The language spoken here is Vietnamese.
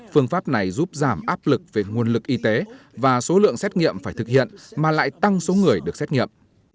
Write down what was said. phương pháp này giúp giảm áp lực về nguồn lực y tế và số lượng xét nghiệm phải thực hiện mà lại tăng số người được xét nghiệm